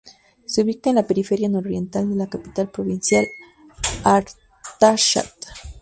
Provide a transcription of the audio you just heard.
Se ubica en la periferia nororiental de la capital provincial Artashat.